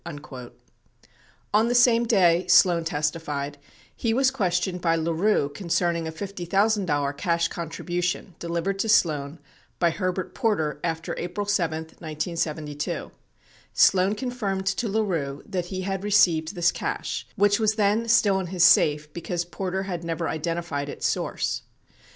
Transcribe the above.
61 On the same day, Sloan testified, he was questioned by LaRue con cerning a $50,000 cash contribution delivered to Sloan by Herbert Por ter after April 7, 1972. Sloan confirmed to LaRue that he had received this cash, which was then still in his safe because Porter had never identified its source.